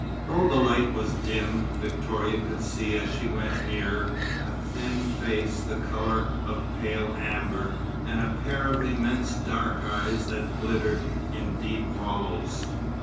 Though the light was dim, Victoria could see as she went nearer a thin face the colour of pale amber, and a pair of immense dark eyes that glittered in deep hollows.